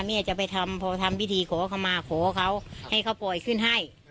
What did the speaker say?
แม่จะไปทำพอทำพิธีขอเข้ามาขอเขาให้เขาปล่อยขึ้นให้